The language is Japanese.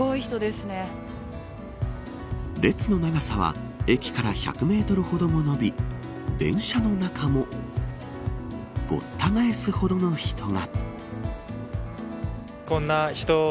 列の長さは駅から１００メートルほども伸び電車の中もごった返すほどの人が。